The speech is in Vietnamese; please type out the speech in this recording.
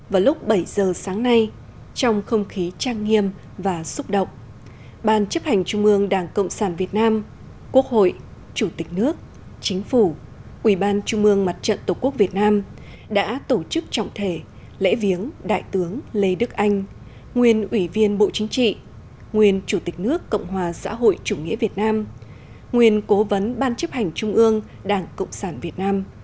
vào lúc bảy giờ sáng nay trong không khí trang nghiêm và xúc động ban chấp hành trung ương đảng cộng sản việt nam quốc hội chủ tịch nước chính phủ quỹ ban trung ương mặt trận tổ quốc việt nam đã tổ chức trọng thể lễ viếng đại tướng lê đức anh nguyên ủy viên bộ chính trị nguyên chủ tịch nước cộng hòa xã hội chủ nghĩa việt nam nguyên cố vấn ban chấp hành trung ương đảng cộng sản việt nam